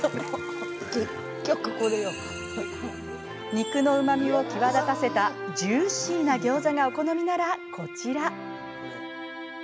肉のうまみを際立たせたジューシーなギョーザがお好みなら、こちら。